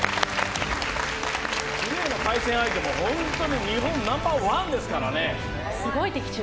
クレーの対戦相手も日本ナンバーワンですからね。